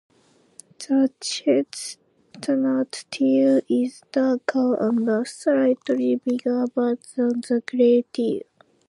The chestnut teal is darker and a slightly bigger bird than the grey teal.